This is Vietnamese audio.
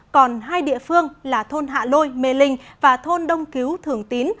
còn hai địa phương là thôn hạ lôi mê linh và thôn đông cứu thường tín